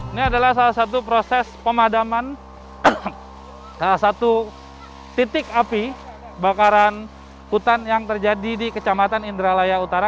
ini adalah salah satu proses pemadaman salah satu titik api bakaran hutan yang terjadi di kecamatan indralaya utara